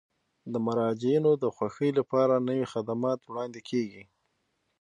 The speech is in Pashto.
د مراجعینو د خوښۍ لپاره نوي خدمات وړاندې کیږي.